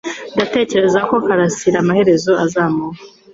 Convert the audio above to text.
Ndatekereza ko Karasira amaherezo azabura